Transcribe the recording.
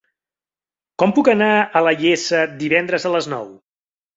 Com puc anar a la Iessa divendres a les nou?